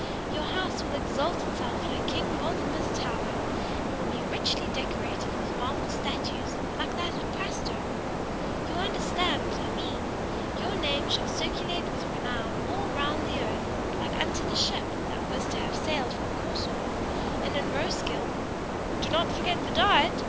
Your house will exalt itself like King Waldemar's tower, and will be richly decorated with marble statues, like that at Prastoe. You understand what I mean. Your name shall circulate with renown all round the earth, like unto the ship that was to have sailed from Corsor; and in Roeskilde " "Do not forget the diet!"